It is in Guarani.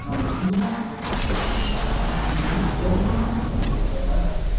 kuñakarai mboriahu peteĩmínte imembyva'ekue.